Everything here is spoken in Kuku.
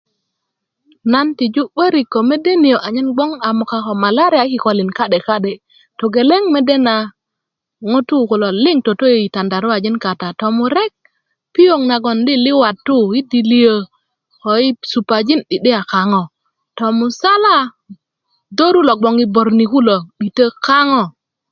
nan tiju 'börik ko mede nio anyen gboŋ a moka ko malaria i kikölin ka'de ka'de togeleŋ mede na ŋutuu kulo liŋ toto i tandaruajin kata tomirek piöŋ nagon liliwatu i diliö ko i supalan 'di'diya kaŋo tomusala döru lo gboŋ i borni kulo 'bitö kaŋo